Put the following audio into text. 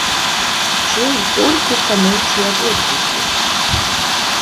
Чуў толькі станоўчыя водгукі!